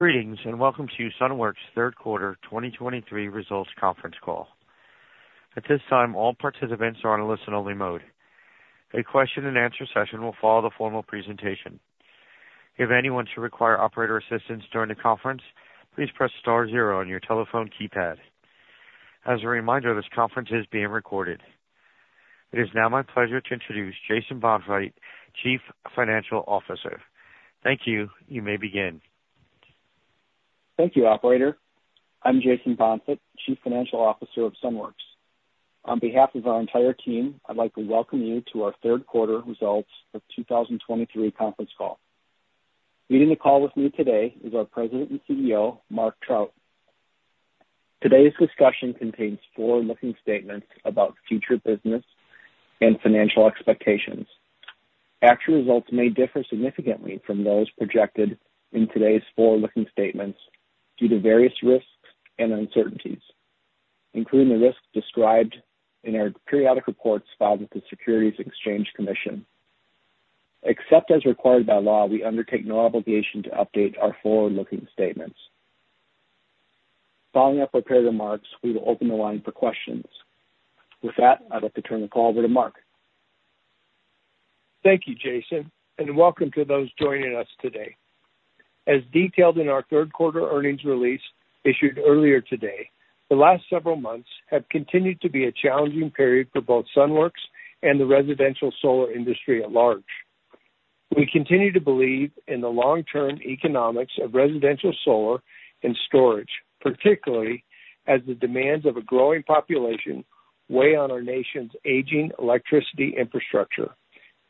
Greetings, and welcome to Sunworks' third quarter 2023 results conference call. At this time, all participants are on a listen-only mode. A question-and-answer session will follow the formal presentation. If anyone should require operator assistance during the conference, please press star zero on your telephone keypad. As a reminder, this conference is being recorded. It is now my pleasure to introduce Jason Bonfigt, Chief Financial Officer. Thank you. You may begin. Thank you, operator. I'm Jason Bonfigt, Chief Financial Officer of Sunworks. On behalf of our entire team, I'd like to welcome you to our third quarter results of 2023 conference call. Leading the call with me today is our President and CEO, Mark Trout. Today's discussion contains forward-looking statements about future business and financial expectations. Actual results may differ significantly from those projected in today's forward-looking statements due to various risks and uncertainties, including the risks described in our periodic reports filed with the Securities and Exchange Commission. Except as required by law, we undertake no obligation to update our forward-looking statements. Following up our prepared remarks, we will open the line for questions. With that, I'd like to turn the call over to Mark. Thank you, Jason, and welcome to those joining us today. As detailed in our third quarter earnings release issued earlier today, the last several months have continued to be a challenging period for both Sunworks and the residential solar industry at large. We continue to believe in the long-term economics of residential solar and storage, particularly as the demands of a growing population weigh on our nation's aging electricity infrastructure,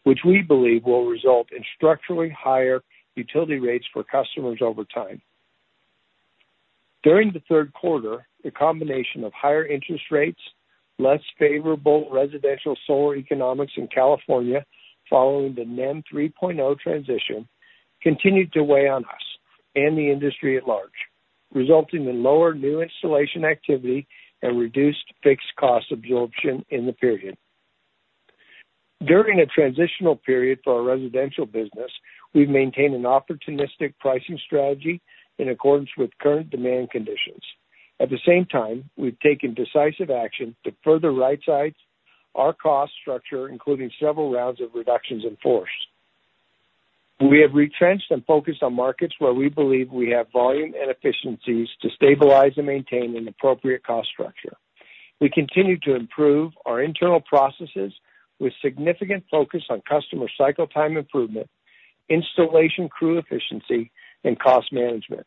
which we believe will result in structurally higher utility rates for customers over time. During the third quarter, the combination of higher interest rates, less favorable residential solar economics in California following the NEM 3.0 transition, continued to weigh on us and the industry at large, resulting in lower new installation activity and reduced fixed cost absorption in the period. During a transitional period for our residential business, we've maintained an opportunistic pricing strategy in accordance with current demand conditions. At the same time, we've taken decisive action to further right-size our cost structure, including several rounds of reductions in force. We have retrenched and focused on markets where we believe we have volume and efficiencies to stabilize and maintain an appropriate cost structure. We continue to improve our internal processes with significant focus on customer cycle time improvement, installation, crew efficiency, and cost management.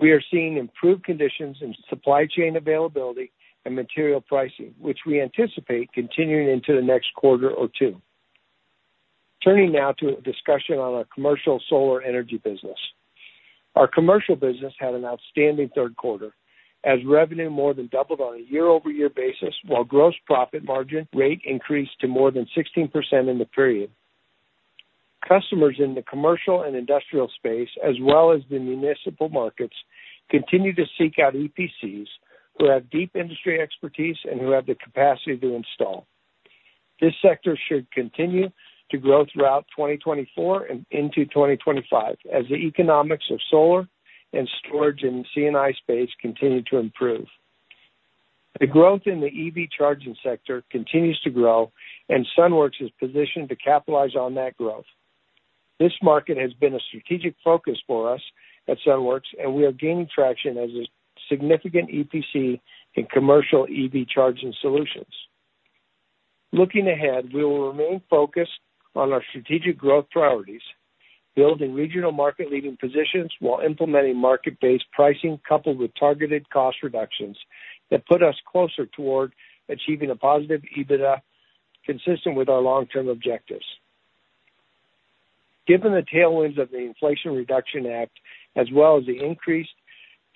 We are seeing improved conditions in supply chain availability and material pricing, which we anticipate continuing into the next quarter or two. Turning now to a discussion on our commercial solar energy business. Our commercial business had an outstanding third quarter as revenue more than doubled on a year-over-year basis, while gross profit margin rate increased to more than 16% in the period. Customers in the commercial and industrial space, as well as the municipal markets, continue to seek out EPCs who have deep industry expertise and who have the capacity to install. This sector should continue to grow throughout 2024 and into 2025 as the economics of solar and storage in C&I space continue to improve. The growth in the EV charging sector continues to grow, and Sunworks is positioned to capitalize on that growth. This market has been a strategic focus for us at Sunworks, and we are gaining traction as a significant EPC in commercial EV charging solutions. Looking ahead, we will remain focused on our strategic growth priorities, building regional market-leading positions while implementing market-based pricing coupled with targeted cost reductions that put us closer toward achieving a positive EBITDA consistent with our long-term objectives. Given the tailwinds of the Inflation Reduction Act as well as the increased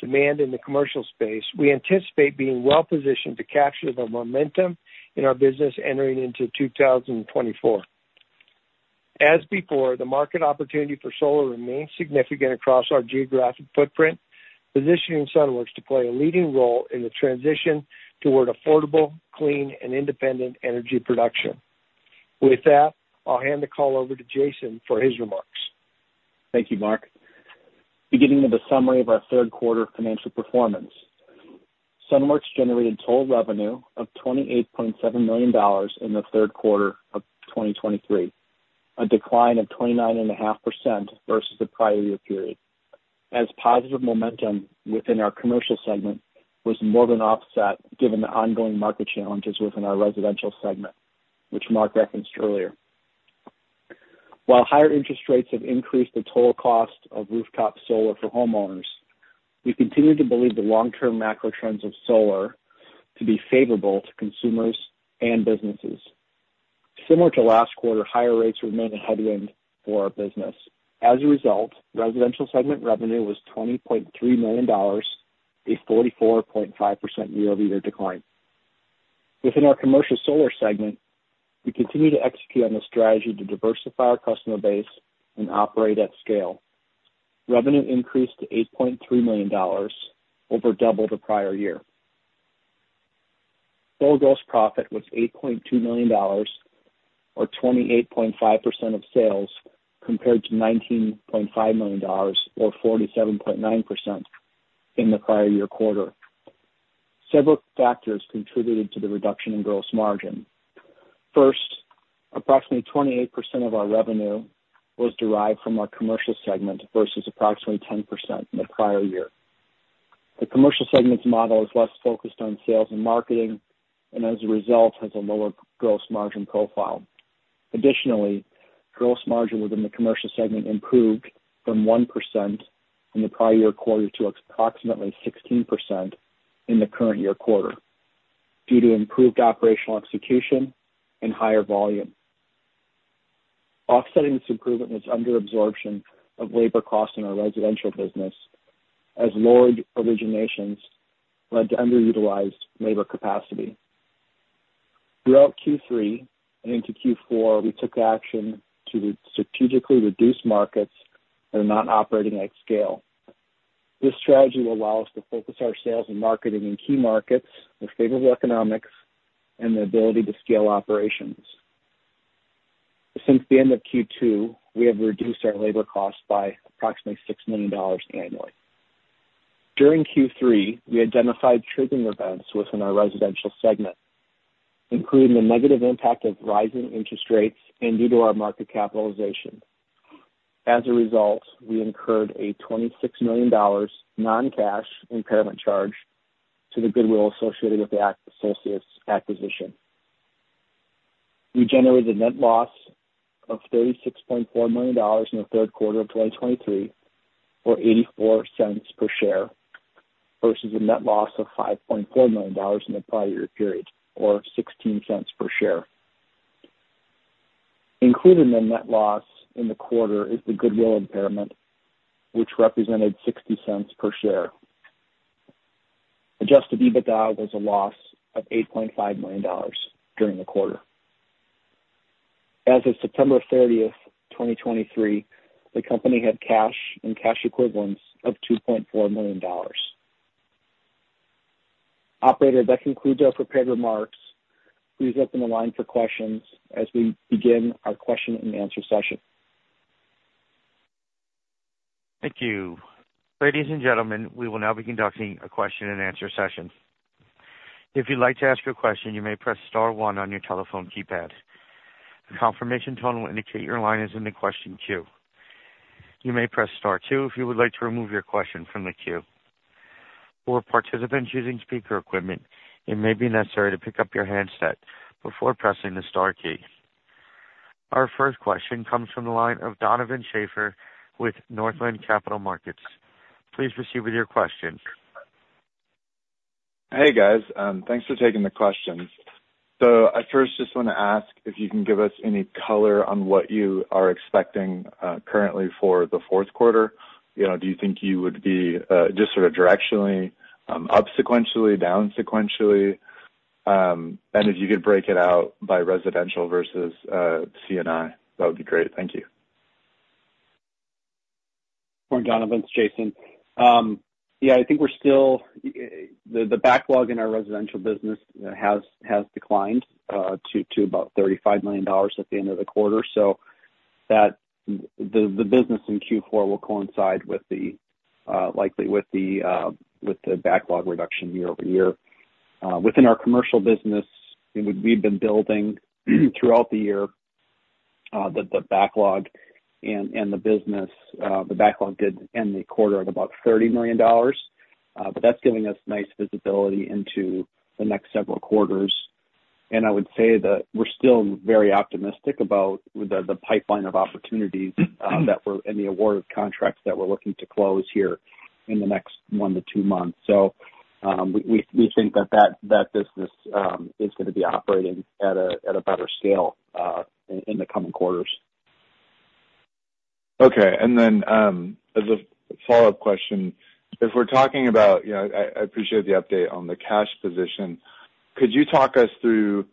demand in the commercial space, we anticipate being well positioned to capture the momentum in our business entering into 2024. As before, the market opportunity for solar remains significant across our geographic footprint, positioning Sunworks to play a leading role in the transition toward affordable, clean, and independent energy production. With that, I'll hand the call over to Jason for his remarks. Thank you, Mark. Beginning with a summary of our third quarter financial performance, Sunworks generated total revenue of $28.7 million in the third quarter of 2023, a decline of 29.5% versus the prior year period. As positive momentum within our commercial segment was more than offset given the ongoing market challenges within our residential segment, which Mark referenced earlier. While higher interest rates have increased the total cost of rooftop solar for homeowners, we continue to believe the long-term macro trends of solar to be favorable to consumers and businesses. Similar to last quarter, higher rates remain a headwind for our business. As a result, residential segment revenue was $20.3 million, a 44.5% year-over-year decline. Within our commercial solar segment, we continue to execute on the strategy to diversify our customer base and operate at scale. Revenue increased to $8.3 million, over double the prior year. Total gross profit was $8.2 million, or 28.5% of sales, compared to $19.5 million or 47.9% in the prior year quarter. Several factors contributed to the reduction in gross margin. First, approximately 28% of our revenue was derived from our commercial segment, versus approximately 10% in the prior year. The commercial segment's model is less focused on sales and marketing, and as a result, has a lower gross margin profile. Additionally, gross margin within the commercial segment improved from 1% in the prior year quarter to approximately 16% in the current year quarter, due to improved operational execution and higher volume. Offsetting this improvement was under absorption of labor costs in our residential business, as lowered originations led to underutilized labor capacity. Throughout Q3 and into Q4, we took action to strategically reduce markets that are not operating at scale. This strategy will allow us to focus our sales and marketing in key markets with favorable economics and the ability to scale operations. Since the end of Q2, we have reduced our labor costs by approximately $6 million annually. During Q3, we identified triggering events within our residential segment, including the negative impact of rising interest rates and due to our market capitalization. As a result, we incurred a $26 million non-cash impairment charge to the goodwill associated with the Solcius acquisition. We generated a net loss of $36.4 million in the third quarter of 2023, or $0.84 per share, versus a net loss of $5.4 million in the prior year period, or $0.16 per share. Included in the net loss in the quarter is the goodwill impairment, which represented $0.60 per share. Adjusted EBITDA was a loss of $8.5 million during the quarter. As of September 30, 2023, the company had cash and cash equivalents of $2.4 million. Operator, that concludes our prepared remarks. Please open the line for questions as we begin our question and answer session. Thank you. Ladies and gentlemen, we will now be conducting a question and answer session. If you'd like to ask a question, you may press star one on your telephone keypad. A confirmation tone will indicate your line is in the question queue. You may press star two if you would like to remove your question from the queue. For participants using speaker equipment, it may be necessary to pick up your handset before pressing the star key. Our first question comes from the line of Donovan Schafer with Northland Capital Markets. Please proceed with your question. Hey, guys, thanks for taking the questions. So I first just want to ask if you can give us any color on what you are expecting currently for the fourth quarter. You know, do you think you would be just sort of directionally up sequentially, down sequentially? And if you could break it out by residential versus C&I, that would be great. Thank you. Morning, Donovan, it's Jason. Yeah, I think we're still- the backlog in our residential business has declined to about $35 million at the end of the quarter. So that- the business in Q4 will coincide with the likely with the backlog reduction year-over-year. Within our commercial business, we've been building throughout the year the backlog and the business, the backlog did end the quarter at about $30 million. But that's giving us nice visibility into the next several quarters. And I would say that we're still very optimistic about the pipeline of opportunities that we're -- and the award of contracts that we're looking to close here in the next one to two months. We think that that business is going to be operating at a better scale in the coming quarters. Okay. And then, as a follow-up question, if we're talking about, you know, I appreciate the update on the cash position. Could you talk us through,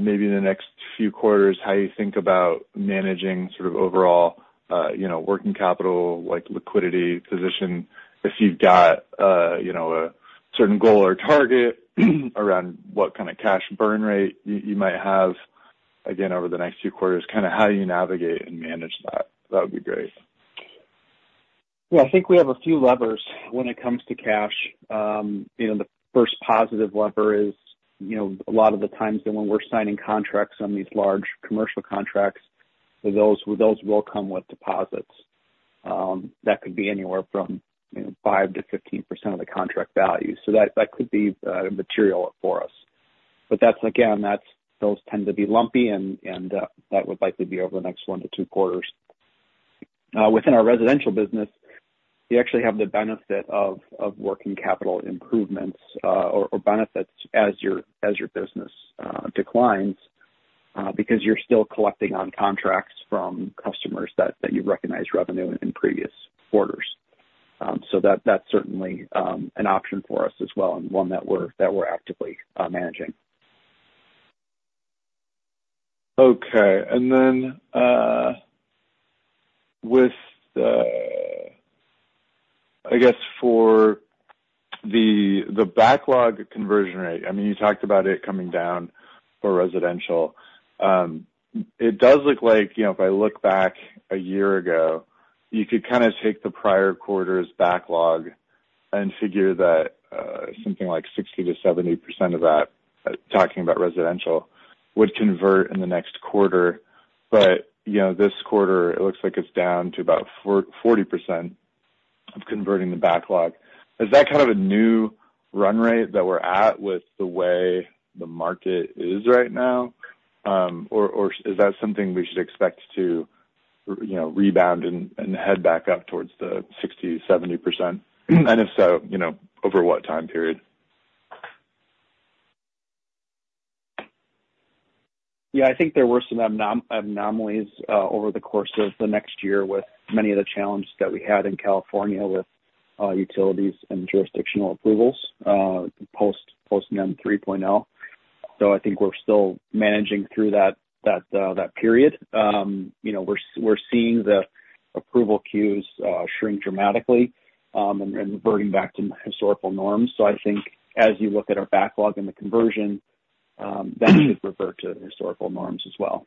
maybe in the next few quarters, how you think about managing sort of overall, you know, working capital, like liquidity position? If you've got, you know, a certain goal or target, around what kind of cash burn rate you might have, again, over the next few quarters, kind of how you navigate and manage that, that would be great. Yeah, I think we have a few levers when it comes to cash. You know, the first positive lever is, you know, a lot of the times when we're signing contracts on these large commercial contracts, those will come with deposits. That could be anywhere from, you know, 5%-15% of the contract value. So that could be material for us. But that's again, those tend to be lumpy and that would likely be over the next one to two quarters. Within our residential business, you actually have the benefit of working capital improvements or benefits as your business declines because you're still collecting on contracts from customers that you recognized revenue in previous quarters. So that's certainly an option for us as well, and one that we're actively managing. Okay, and then with the, I guess, for the, the backlog conversion rate, I mean, you talked about it coming down for residential. It does look like, you know, if I look back a year ago, you could kind of take the prior quarter's backlog and figure that, something like 60%-70% of that, talking about residential, would convert in the next quarter. But, you know, this quarter it looks like it's down to about 40% of converting the backlog. Is that kind of a new run rate that we're at with the way the market is right now? Or, is that something we should expect to, you know, rebound and, head back up towards the 60%-70%? And if so, you know, over what time period? Yeah, I think there were some anomalies over the course of the next year with many of the challenges that we had in California with utilities and jurisdictional approvals post NEM 3.0. So I think we're still managing through that period. You know, we're seeing the approval queues shrink dramatically and reverting back to historical norms. So I think as you look at our backlog and the conversion, that should revert to historical norms as well.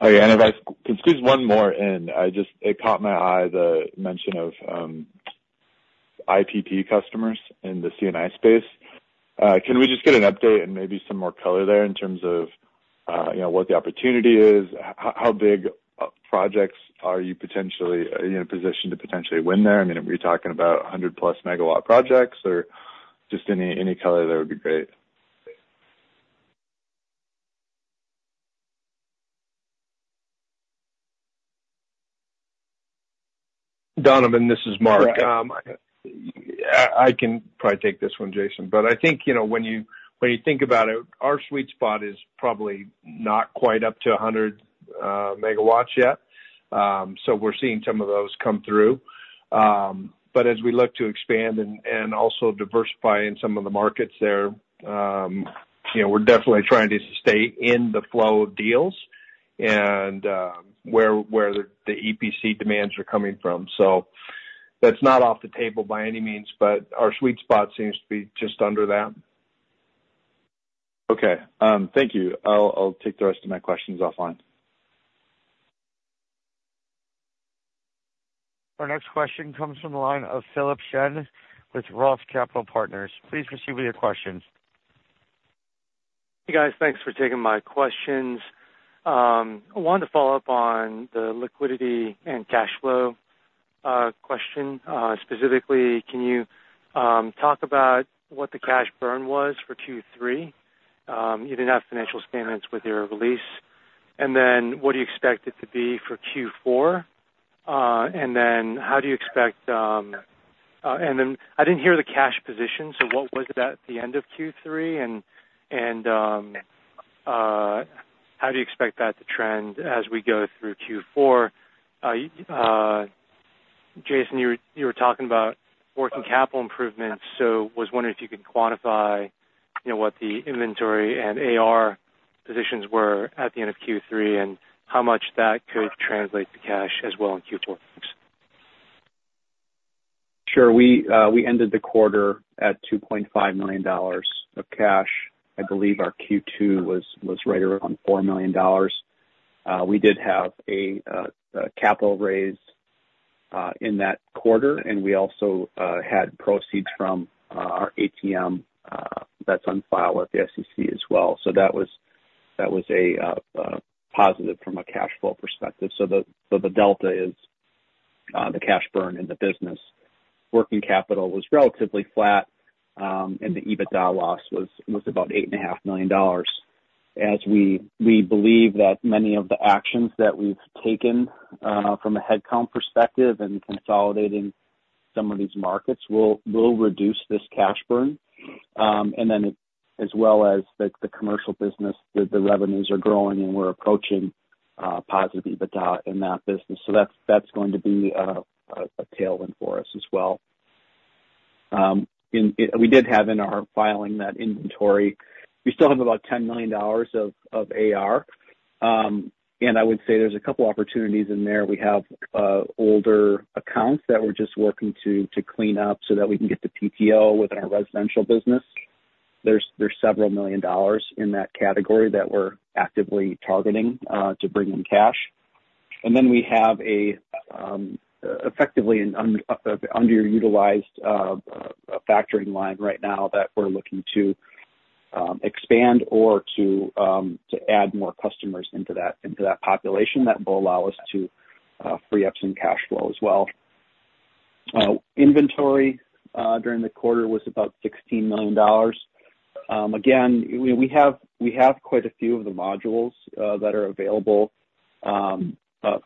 Okay. If I could squeeze one more in, I just, it caught my eye, the mention of IPP customers in the C&I space. Can we just get an update and maybe some more color there in terms of you know, what the opportunity is? How big projects are you potentially in a position to potentially win there? I mean, are you talking about 100+ MW projects or just any color there would be great? Donovan, this is Mark. Right. I can probably take this one, Jason, but I think you know, when you think about it, our sweet spot is probably not quite up to 100 MW yet. So we're seeing some of those come through. But as we look to expand and also diversify in some of the markets there, you know, we're definitely trying to stay in the flow of deals and where the EPC demands are coming from. So that's not off the table by any means, but our sweet spot seems to be just under that. Okay. Thank you. I'll take the rest of my questions offline. Our next question comes from the line of Philip Shen with Roth Capital Partners. Please proceed with your questions. Hey, guys. Thanks for taking my questions. I wanted to follow up on the liquidity and cash flow question. Specifically, can you talk about what the cash burn was for Q3? You didn't have financial statements with your release. And then what do you expect it to be for Q4? And then I didn't hear the cash position, so what was it at the end of Q3? And how do you expect that to trend as we go through Q4? Jason, you were talking about working capital improvements, so was wondering if you could quantify, you know, what the inventory and AR positions were at the end of Q3, and how much that could translate to cash as well in Q4? Sure. We ended the quarter at $2.5 million of cash. I believe our Q2 was right around $4 million. We did have a capital raise in that quarter, and we also had proceeds from our ATM that's on file at the SEC as well. So that was a positive from a cash flow perspective. So the delta is the cash burn in the business. Working capital was relatively flat, and the EBITDA loss was about $8.5 million. As we believe that many of the actions that we've taken from a headcount perspective and consolidating some of these markets will reduce this cash burn. And then as well as the commercial business, the revenues are growing and we're approaching positive EBITDA in that business, so that's going to be a tailwind for us as well. And we did have in our filing that inventory. We still have about $10 million of AR. And I would say there's a couple opportunities in there. We have older accounts that we're just working to clean up so that we can get to PTO with our residential business. There's several million dollars in that category that we're actively targeting to bring in cash. And then we have a effectively an underutilized factoring line right now that we're looking to expand or to add more customers into that population. That will allow us to free up some cash flow as well. Inventory during the quarter was about $16 million. Again, we have quite a few of the modules that are available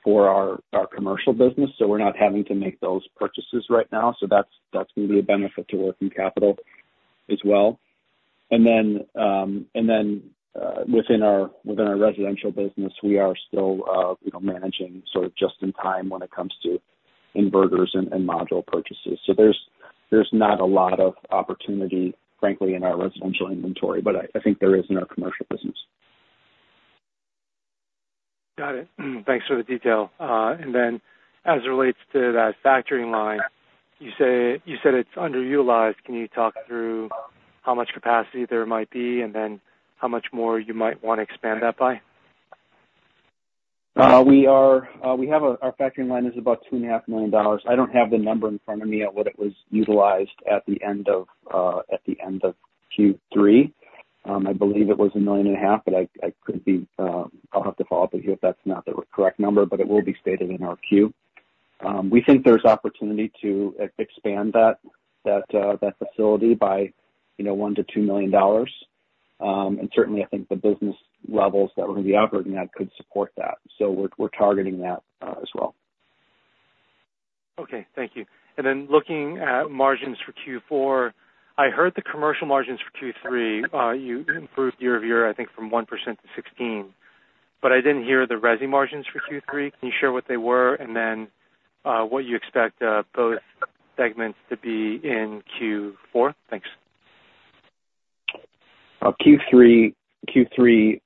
for our commercial business, so we're not having to make those purchases right now. So that's going to be a benefit to working capital as well. And then within our residential business, we are still you know, managing sort of just in time when it comes to inverters and module purchases. So there's not a lot of opportunity, frankly, in our residential inventory, but I think there is in our commercial business. Got it. Thanks for the detail. Then as it relates to that factoring line, you said it's underutilized. Can you talk through how much capacity there might be, and then how much more you might want to expand that by? We have a—our factoring line is about $2.5 million. I don't have the number in front of me at what it was utilized at the end of, at the end of Q3. I believe it was $1.5 million, but I, I could be, I'll have to follow up with you if that's not the correct number, but it will be stated in our Q. We think there's opportunity to expand that facility by, you know, $1 million-$2 million. And certainly, I think the business levels that we're going to be operating at could support that. So we're targeting that as well. Okay. Thank you. And then looking at margins for Q4, I heard the commercial margins for Q3. You improved year-over-year, I think from 1% to 16%, but I didn't hear the resi margins for Q3. Can you share what they were, and then, what you expect both segments to be in Q4? Thanks. Q3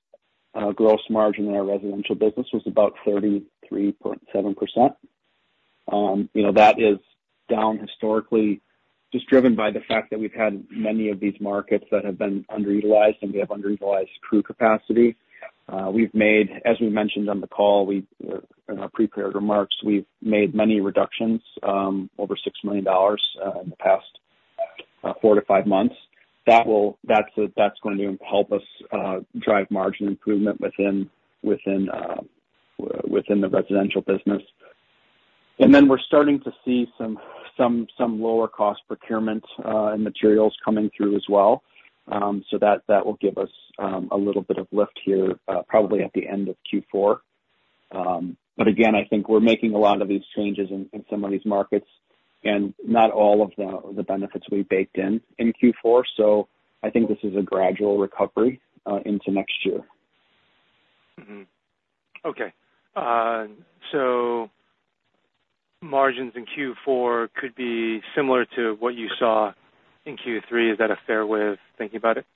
gross margin in our residential business was about 33.7%. You know, that is down historically, just driven by the fact that we've had many of these markets that have been underutilized, and we have underutilized crew capacity. We've made, as we mentioned on the call, in our prepared remarks, we've made many reductions over $6 million in the past four to five months. That's going to help us drive margin improvement within the residential business. And then we're starting to see some lower cost procurement and materials coming through as well. So that will give us a little bit of lift here, probably at the end of Q4. But again, I think we're making a lot of these changes in some of these markets, and not all of the benefits will be baked in in Q4. So I think this is a gradual recovery into next year. Okay. So, margins in Q4 could be similar to what you saw in Q3. Is that a fair way of thinking about it?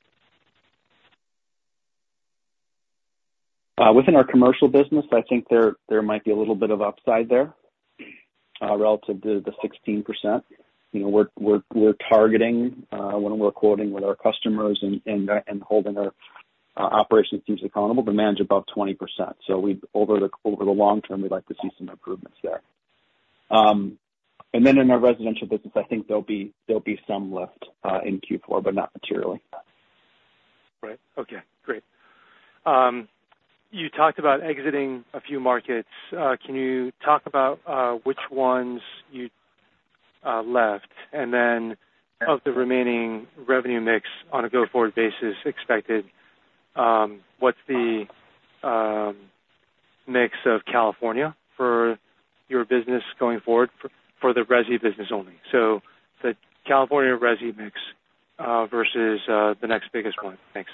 Within our commercial business, I think there might be a little bit of upside there, relative to the 16%. You know, we're targeting when we're quoting with our customers and holding our operations teams accountable, to manage above 20%. So, over the long term, we'd like to see some improvements there. And then in our residential business, I think there'll be some lift in Q4, but not materially. Right. Okay, great. You talked about exiting a few markets. Can you talk about which ones you left, and then of the remaining revenue mix on a go-forward basis expected, what's the mix of California for your business going forward for the resi business only? So the California resi mix versus the next biggest one. Thanks.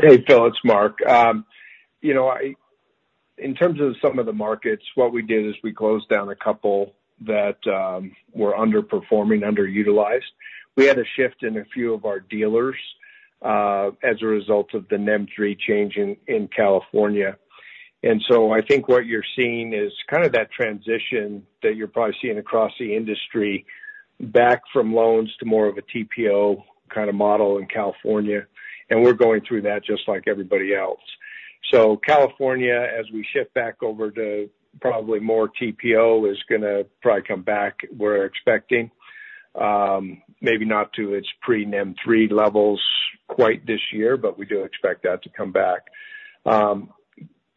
Hey, Phil, it's Mark. You know, in terms of some of the markets, what we did is we closed down a couple that were underperforming, underutilized. We had a shift in a few of our dealers, as a result of the NEM 3 change in California. And so I think what you're seeing is kind of that transition that you're probably seeing across the industry, back from loans to more of a TPO kind of model in California, and we're going through that just like everybody else. So California, as we shift back over to probably more TPO, is gonna probably come back, we're expecting, maybe not to its pre-NEM 3 levels quite this year, but we do expect that to come back.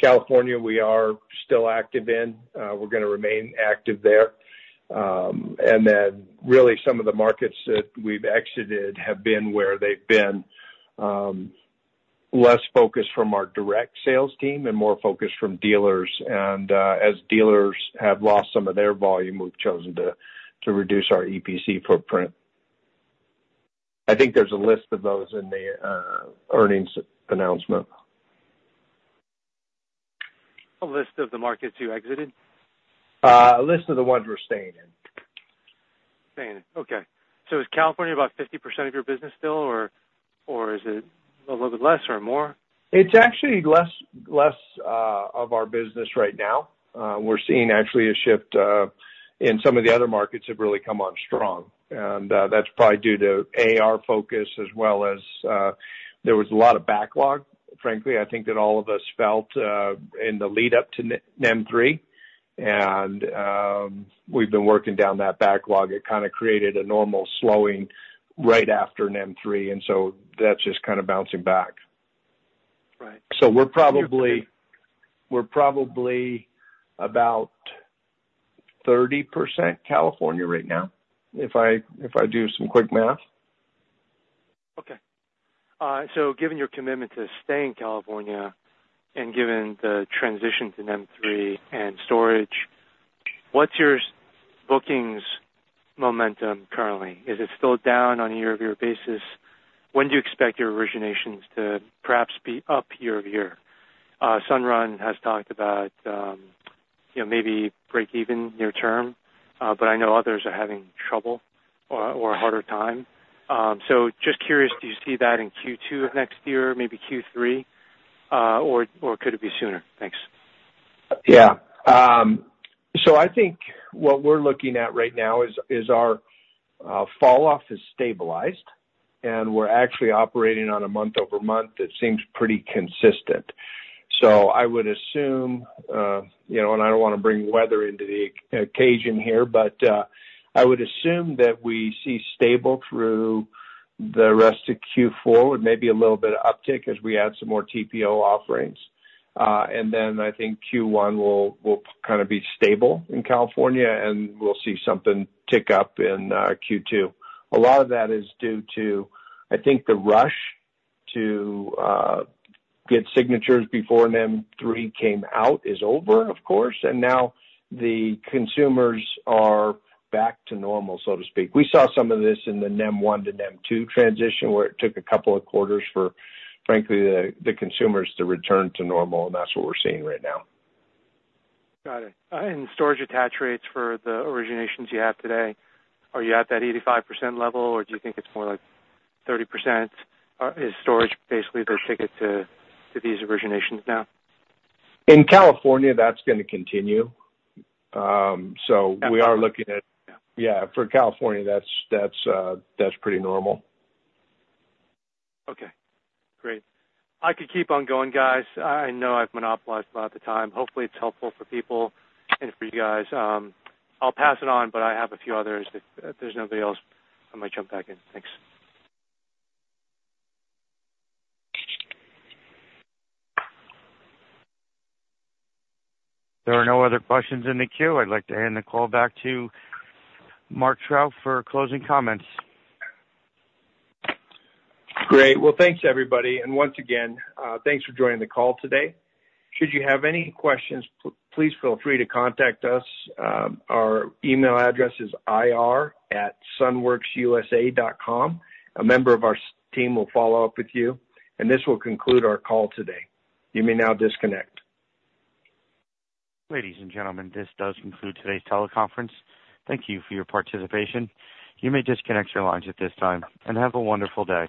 California, we are still active in, we're gonna remain active there. And then really, some of the markets that we've exited have been where they've been less focused from our direct sales team and more focused from dealers. And as dealers have lost some of their volume, we've chosen to reduce our EPC footprint. I think there's a list of those in the earnings announcement. A list of the markets you exited? A list of the ones we're staying in. Staying in. Okay. So is California about 50% of your business still, or, or is it a little bit less or more? It's actually less of our business right now. We're seeing actually a shift in some of the other markets have really come on strong, and that's probably due to AR focus as well as there was a lot of backlog, frankly, I think that all of us felt in the lead up to NEM 3.0. We've been working down that backlog. It kind of created a normal slowing right after NEM 3.0, and so that's just kind of bouncing back. Right. So we're probably about 30% California right now, if I do some quick math. Okay. So given your commitment to staying in California, and given the transition to NEM 3.0 and storage... What's your bookings momentum currently? Is it still down on a year-over-year basis? When do you expect your originations to perhaps be up year-over-year? Sunrun has talked about, you know, maybe breakeven near term, but I know others are having trouble or a harder time. So just curious, do you see that in Q2 of next year, maybe Q3, or could it be sooner? Thanks. Yeah. So I think what we're looking at right now is our falloff has stabilized, and we're actually operating on a month-over-month that seems pretty consistent. So I would assume, you know, and I don't wanna bring weather into the occasion here, but I would assume that we see stable through the rest of Q4 with maybe a little bit of uptick as we add some more TPO offerings. And then I think Q1 will kind of be stable in California, and we'll see something tick up in Q2. A lot of that is due to, I think, the rush to get signatures before NEM 3 came out is over, of course, and now the consumers are back to normal, so to speak. We saw some of this in the NEM 1 to NEM 2 transition, where it took a couple of quarters for, frankly, the consumers to return to normal, and that's what we're seeing right now. Got it. And storage attach rates for the originations you have today, are you at that 85% level, or do you think it's more like 30%? Is storage basically their ticket to these originations now? In California, that's gonna continue. So we are looking at- Yeah. Yeah, for California, that's pretty normal. Okay, great. I could keep on going, guys. I know I've monopolized a lot of the time. Hopefully, it's helpful for people and for you guys. I'll pass it on, but I have a few others. If there's nobody else, I might jump back in. Thanks. There are no other questions in the queue. I'd like to hand the call back to Mark Trout for closing comments. Great. Well, thanks, everybody. And once again, thanks for joining the call today. Should you have any questions, please feel free to contact us. Our email address is ir@sunworksusa.com. A member of our team will follow up with you, and this will conclude our call today. You may now disconnect. Ladies and gentlemen, this does conclude today's teleconference. Thank you for your participation. You may disconnect your lines at this time, and have a wonderful day.